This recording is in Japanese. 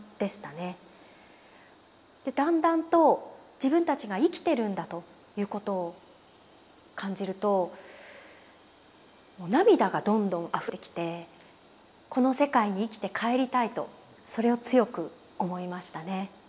だんだんと自分たちが生きてるんだということを感じると涙がどんどんあふれてきてこの世界に生きて帰りたいとそれを強く思いましたね。